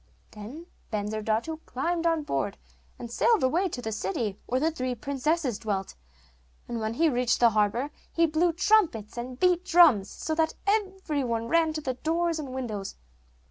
Then Bensurdatu climbed on board, and sailed away to the city where the three princesses dwelt; and when he reached the harbour he blew trumpets and beat drums, so that every one ran to the doors and windows.